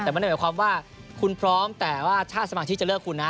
แต่ไม่ได้หมายความว่าคุณพร้อมแต่ว่าถ้าสมาชิกจะเลือกคุณนะ